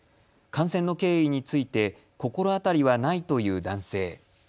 感染の経緯について心当たりはないという男性。